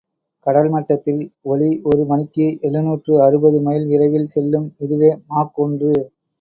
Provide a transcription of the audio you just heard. கடல்மட்டத்தில் ஒலி ஒரு மணிக்கு எழுநூற்று அறுபது மைல் விரைவில் செல்லும் இதுவே மாக் ஒன்று.